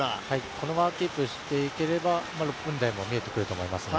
このままキープしていければ６分台も見えてくると思いますね。